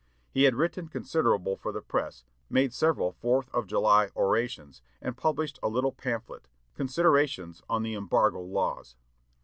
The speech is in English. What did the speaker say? He had written considerable for the press, made several Fourth of July orations, and published a little pamphlet, "Considerations on the Embargo Laws."